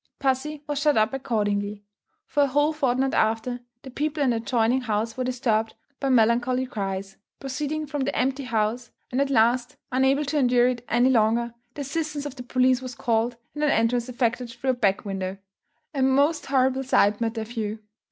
Pussy was shut up accordingly. For a whole fortnight after, the people in the adjoining house were disturbed by melancholy cries, proceeding from the empty house, and, at last, unable to endure it any longer; the assistance of the police was called, and an entrance effected through a back window. A most horrible sight met their view.